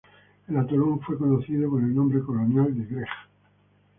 El atolón fue conocido con el nombre colonial de "Greg".